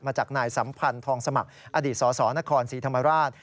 มาจากนายสัมพันธ์ทองสมัครอดีตสสนครศรีธรรมราช